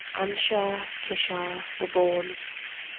Anshar, Kishar were born.